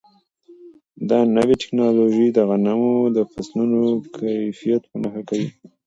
دا نوې ټیکنالوژي د غنمو د فصلونو کیفیت په نښه کوي.